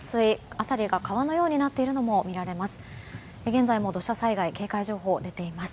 辺りが川のようになっているのも見られます。